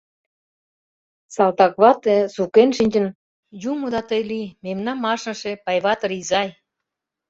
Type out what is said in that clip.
Салтаквате сукен шинчын «Юмо да тый лий, мемнам ашныше Пайватыр изай!